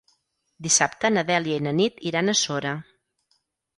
Dissabte na Dèlia i na Nit iran a Sora.